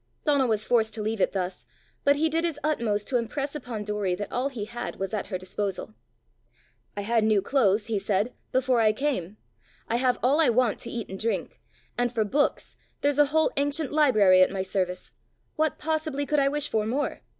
Donal was forced to leave it thus, but he did his utmost to impress upon Doory that all he had was at her disposal. "I had new clothes," he said, "before I came; I have all I want to eat and drink; and for books, there's a whole ancient library at my service! what possibly could I wish for more?